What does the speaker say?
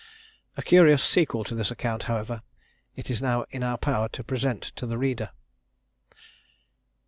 A curious sequel to this account, however, it is now in our power to present to the reader.